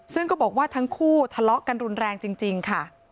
ซึ่งก็บอกว่าทั้งคู่ทะเลาะกันรุนแรงจริงค่ะ